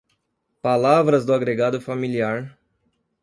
Palavras do agregado familiar